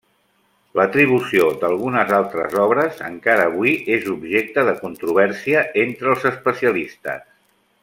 L'atribució d'algunes altres obres encara avui és objecte de controvèrsia entre els especialistes.